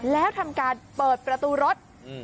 แล้วทำการเปิดประตูรถ